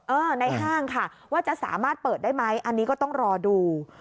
ในห้างค่ะว่าจะสามารถเปิดได้ไหมอันนี้ก็ต้องรอดู